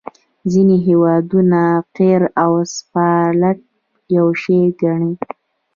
ځینې هیوادونه قیر او اسفالټ یو شی ګڼي